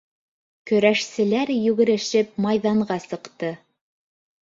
Көрәшселәр йүгерешеп майҙанға сыҡты.